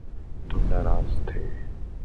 تم ناراض تھیں